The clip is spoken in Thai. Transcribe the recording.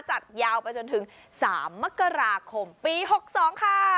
จัดยาวไปจนถึง๓มกราคมปี๖๒ค่ะ